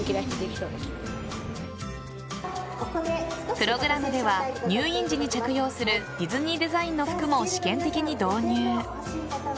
プログラムでは入院時に着用するディズニーデザインの服も試験的に導入。